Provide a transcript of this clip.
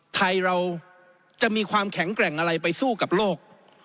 ไทยเราจะมีความแข็งแกร่งอะไรไปสู้กับโลก